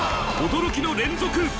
［驚きの連続］